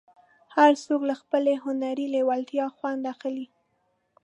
هر څوک له خپلې هنري لېوالتیا خوند اخلي.